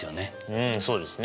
うんそうですね。